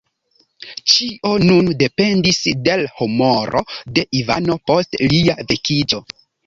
Ĉio nun dependis de l' humoro de Ivano post lia vekiĝo.